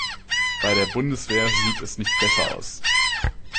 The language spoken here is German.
Bei der Bundeswehr sieht es nicht besser aus.